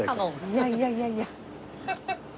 いやいやいやいや。